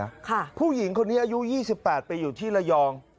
ค่ะผู้หญิงคนนี้อายุ๒๘ปีอยู่ที่ระยอง